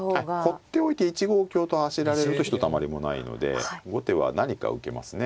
ほっておいて１五香と走られるとひとたまりもないので後手は何か受けますね